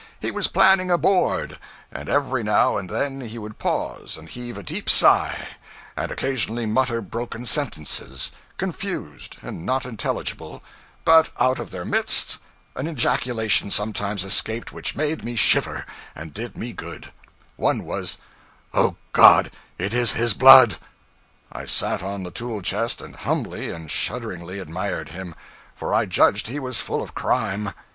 He was planing a board, and every now and then he would pause and heave a deep sigh; and occasionally mutter broken sentences confused and not intelligible but out of their midst an ejaculation sometimes escaped which made me shiver and did me good: one was, 'O God, it is his blood!' I sat on the tool chest and humbly and shudderingly admired him; for I judged he was full of crime.